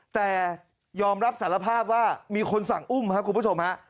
แต่ยอมรับสารภาพว่ามีคนสั่งอุ้มครับคุณผู้ชมฮะ